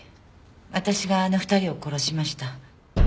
私があの２人を殺しました。